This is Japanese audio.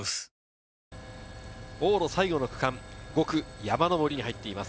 往路最後の区間、５区山上りに入っています。